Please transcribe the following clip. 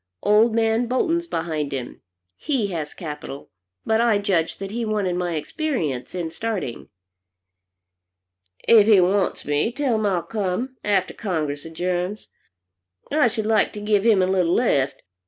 Old man Bolton's behind him. He has capital, but I judged that he wanted my experience in starting." "If he wants me, tell him I'll come, after Congress adjourns. I should like to give him a little lift.